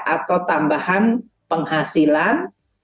atau tambahan penghasilan